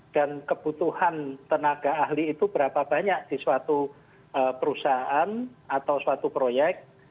dan kebutuhan tenaga ahli itu berapa banyak di suatu perusahaan atau suatu proyek